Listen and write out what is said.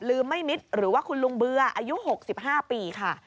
ไม่มิตรหรือว่าคุณลุงเบื่ออายุ๖๕ปีค่ะ